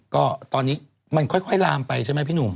ก็ตอนนี้มันค่อยลามไปใช่ไหม